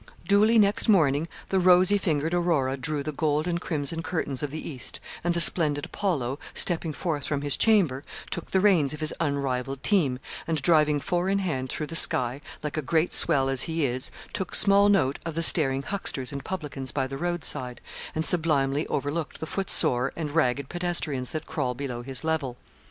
Duly next morning the rosy fingered Aurora drew the gold and crimson curtains of the east, and the splendid Apollo, stepping forth from his chamber, took the reins of his unrivalled team, and driving four in hand through the sky, like a great swell as he is, took small note of the staring hucksters and publicans by the road side, and sublimely overlooked the footsore and ragged pedestrians that crawl below his level.